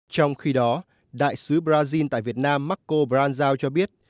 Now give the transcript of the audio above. trong khi đó đại sứ brazil tại việt nam marco branzao cho biết